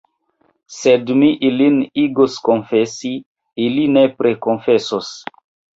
Sed mi ilin igos konfesi, ili nepre konfesos.